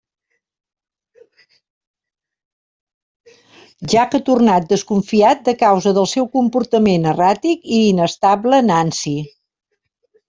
Jack ha tornat desconfiat de causa del seu comportament erràtic i inestable Nancy.